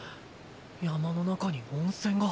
山の中に温泉が。